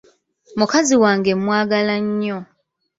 Mukazi wange mwagala nnyo.